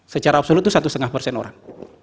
secara absolut itu satu lima persen orang